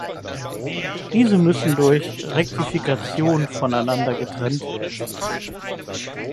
Diese müssen durch Rektifikation voneinander getrennt werden.